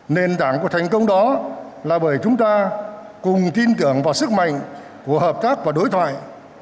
nền tảng của thành công đó là bởi chúng ta cùng tin tưởng vào sức mạnh của hợp tác và đối thoại